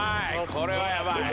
これはやばい。